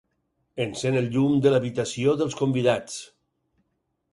Encén el llum de l'habitació dels convidats.